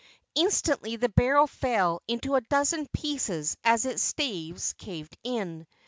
Instantly the barrel fell into a dozen pieces as its staves caved in.